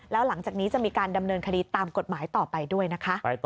แล้วหลังจากนี้จะมีการดำเนินคดีตามกฎหมายต่อไปด้วยนะคะ